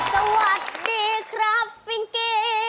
สวัสดีครับฟิงกี้